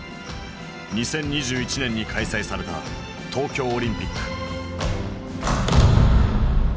２０２１年に開催された東京オリンピック。